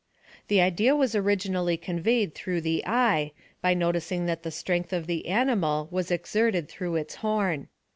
The idea was originally conveyed through the eye, by noticing that the strength of the animal was exerted through its horn.